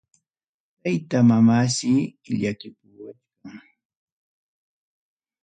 Tayta mamaysi llakipuwachkan.